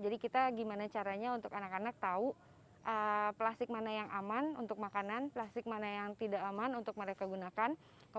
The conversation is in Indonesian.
jadi kita gimana caranya untuk anak anak tahu plastik mana yang aman untuk makanan plastik mana yang tidak aman untuk mereka gunakan